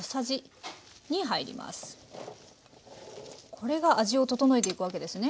これが味を整えていくわけですね？